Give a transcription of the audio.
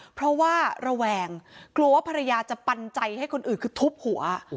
เพราะว่าระแวงกลัวว่าภรรยาจะปันใจให้คนอื่นคือทุบหัว